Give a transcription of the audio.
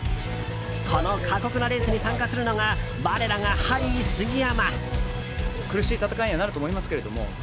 この過酷なレースに参加するのが我らがハリー杉山。